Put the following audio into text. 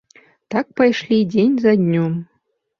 Так пайшлі дзень за днём.